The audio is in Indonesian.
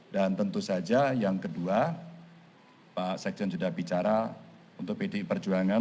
dan tentu saja yang kedua pak sekjen sudah bicara untuk pd perjuangan